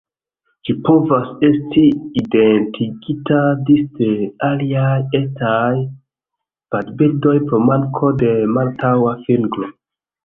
Ĝi povas esti identigita disde aliaj etaj vadbirdoj pro manko de malantaŭa fingro.